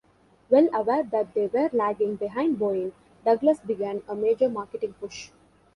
Well aware that they were lagging behind Boeing, Douglas began a major marketing push.